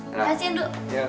terima kasih ndu